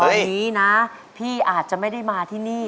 วันนี้นะพี่อาจจะไม่ได้มาที่นี่